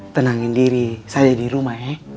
tenangin diri saja di rumah ye